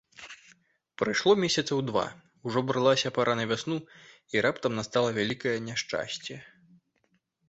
Прайшло месяцаў два, ужо бралася пара на вясну, і раптам настала вялікае няшчасце.